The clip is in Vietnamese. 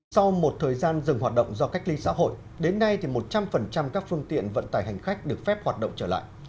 sau một thời gian dừng hoạt động do cách ly xã hội đến nay một trăm linh các phương tiện vận tải hành khách được phép hoạt động trở lại